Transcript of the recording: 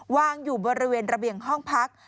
วางอยู่บริเวณระเบียงห้องพัก